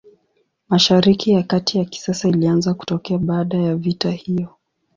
Mashariki ya Kati ya kisasa ilianza kutokea baada ya vita hiyo.